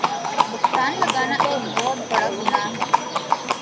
بہتان لگانا ایک بہت بڑا گناہ ہے